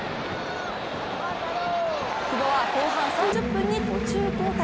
久保は後半３０分に途中交代。